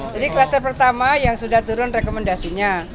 jadi klaster pertama yang sudah turun rekomendasinya